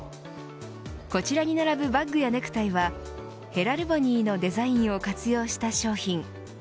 こちらに並ぶバッグやネクタイはヘラルボニーのデザインを活用した商品。